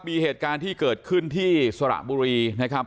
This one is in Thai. มีเหตุการณ์ที่เกิดขึ้นที่สระบุรีนะครับ